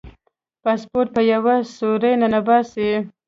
پاسپورټ په یوه سوړه ننباسي.